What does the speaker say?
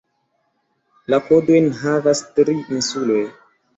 La kodojn havas tri insuloj.